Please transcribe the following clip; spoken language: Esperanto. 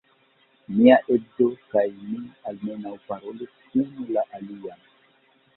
Mia edzo kaj mi apenaŭ parolis unu la alian.